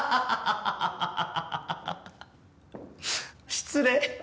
失礼。